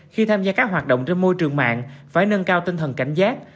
khi tham gia các hoạt động trên môi trường mạng phải nâng cao tinh thần cảnh giác